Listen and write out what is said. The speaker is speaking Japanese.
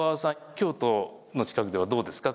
京都の近くではどうですか？